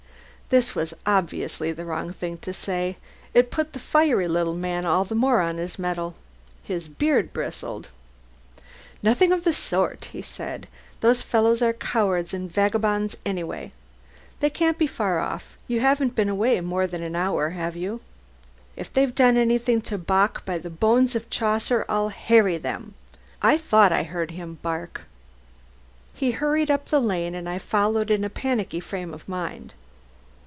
This was obviously the wrong thing to say. It put the fiery little man all the more on his mettle. His beard bristled. "Nothing of the sort!" he said. "Those fellows are cowards and vagabonds anyway. They can't be far off; you haven't been away more than an hour, have you? If they've done anything to Bock, by the bones of Chaucer, I'll harry them. I thought I heard him bark." He hurried up the lane, and I followed in a panicky frame of mind.